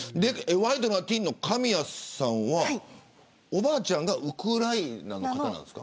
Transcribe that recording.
ワイドナティーンの神谷さんはおばあちゃんがウクライナの方ですか。